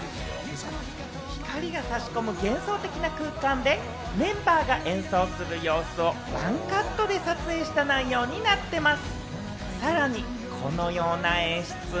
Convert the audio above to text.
光が差し込む、幻想的な空間でメンバーが演奏する様子を１カットで披露する内容になってます。